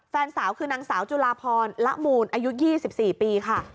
แฟนสาวคือนางสาวจุลาพรละมูลอายุ๒๔ปีค่ะ